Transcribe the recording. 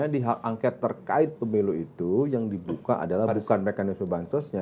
di hak angket terkait pemilu itu yang dibuka adalah bukan mekanisme bansosnya